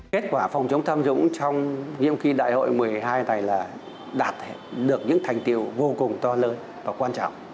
kết quả phòng chống tham nhũng trong nhiệm kỳ đại hội một mươi hai này là đạt được những thành tiêu vô cùng to lớn và quan trọng